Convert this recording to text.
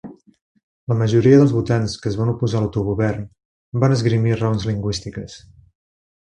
La majoria dels votants que es van oposar a l'autogovern van esgrimir raons lingüístiques.